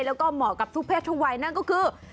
แล้วก็เหมาะกับทุกเพศทุกวัยนั่นก็คือ